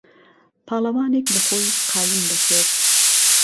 پاڵهوانێک له خۆی قایم دهکرد